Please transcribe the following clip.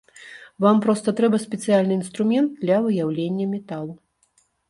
Вам проста трэба спецыяльны інструмент для выяўлення металу.